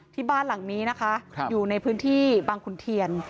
ที่บ้านหลังนี้นะคะอยู่ในพื้นที่บางขุนเทียน